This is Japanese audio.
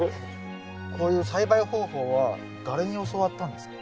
こういう栽培方法は誰に教わったんですか？